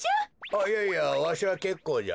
あっいやいやわしはけっこうじゃ。